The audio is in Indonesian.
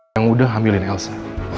yang udah hamilin elsa